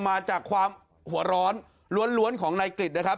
มาจากความหัวร้อนล้วนของนายกริจนะครับ